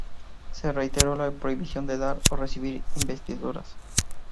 Se reiteró la prohibición de dar o recibir investiduras.